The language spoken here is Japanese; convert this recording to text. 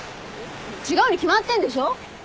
違うに決まってんでしょ。